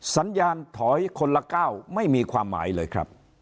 สัญญาณถอยคนละก้าวไม่มีความหมายเลยครับ